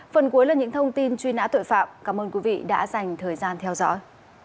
phần cuối là những thông tin truy nã tội phạm cảm ơn quý vị đã dành thời gian theo dõi